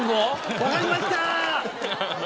わかりました。